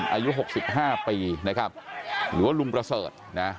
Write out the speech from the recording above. อายุหกสิบห้าปีนะครับหรือว่าลุงประเสริฐนะฮะ